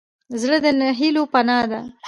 زړه د هيلو پناه ده.